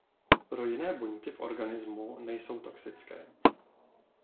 Pro jiné buňky v organizmu nejsou toxické.